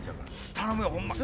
頼むよホンマ！